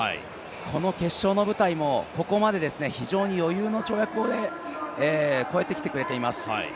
この決勝の舞台もここまで非常に余裕の跳躍で超えてきてくれています。